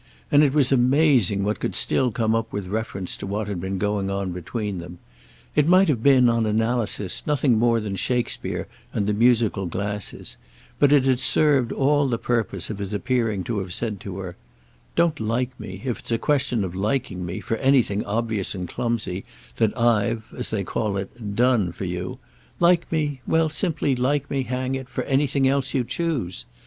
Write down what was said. —and it was amazing what could still come up without reference to what had been going on between them. It might have been, on analysis, nothing more than Shakespeare and the musical glasses; but it had served all the purpose of his appearing to have said to her: "Don't like me, if it's a question of liking me, for anything obvious and clumsy that I've, as they call it, 'done' for you: like me—well, like me, hang it, for anything else you choose.